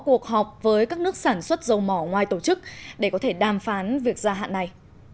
các nước sẽ tiếp tục hợp với các nước sản xuất dầu mỏ ngoài tổ chức để có thể đàm phán việc gia hạn này